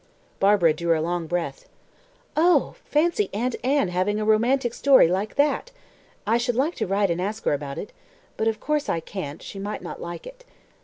Barbara drew a long breath. "Oh! Fancy Aunt Anne having a romantic story like that! I should like to write and ask her about it. But, of course, I can't; she might not like it."